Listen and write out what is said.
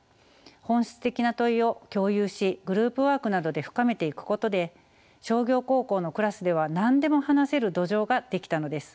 本質的な問いを共有しグループワークなどで深めていくことで商業高校のクラスでは何でも話せる土壌が出来たのです。